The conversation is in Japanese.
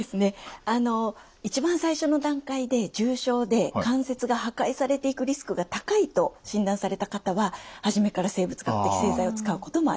あの一番最初の段階で重症で関節が破壊されていくリスクが高いと診断された方は初めから生物学的製剤を使うこともあります。